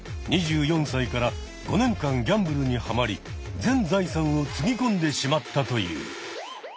２４歳から５年間ギャンブルにハマり全財産をつぎ込んでしまったという。